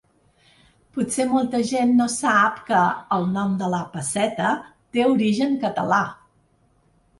Potser molta gent no sap que el nom de la pesseta té origen català.